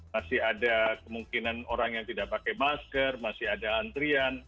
masih ada kemungkinan orang yang tidak pakai masker masih ada antrian